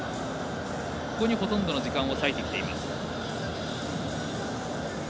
ここにほとんどの時間を割いてきています。